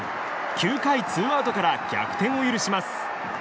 ９回ツーアウトから逆転を許します。